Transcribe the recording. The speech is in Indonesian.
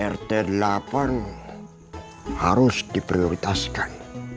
rt delapan harus diprioritaskan